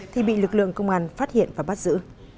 thì bị lực lượng công an phát hiện và bắt giữ